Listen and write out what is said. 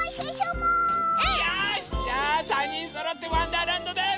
よしじゃあ３にんそろって「わんだーらんど」です！